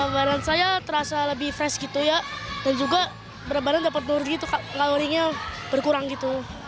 barang saya terasa lebih fresh gitu ya dan juga berabanan dapat nurgi kalorinya berkurang gitu